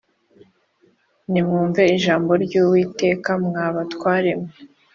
Nimwumve ijambo ry’Uwiteka, mwa batwaremwe